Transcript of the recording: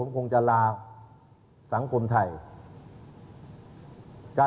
โหวตวันที่๒๒